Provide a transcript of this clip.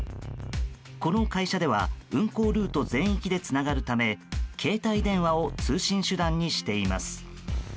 この会社では運航ルート全域でつながるため携帯電話を通信手段にしています。